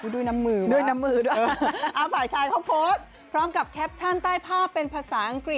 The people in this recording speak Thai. ด้วยน้ำมือเหรอ